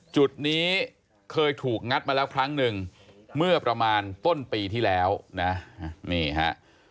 จุดนี้เคยถูกงัดมาแล้วครั้งหนึ่งเมื่อประมาณต้นปีที่แล้วนะนี่ฮะ